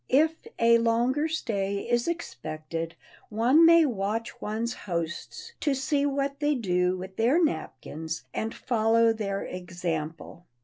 If a longer stay is expected, one may watch one's hosts to see what they do with their napkins, and follow their example.